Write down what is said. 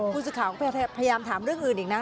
ผู้สื่อข่าวพยายามถามเรื่องอื่นอีกนะ